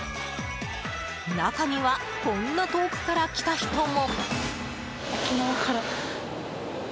中にはこんな遠くから来た人も。